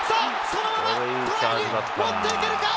そのままトライに持っていけるか。